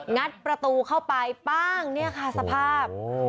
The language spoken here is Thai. งัดประตูเข้าไปป้างเนี่ยค่ะสภาพ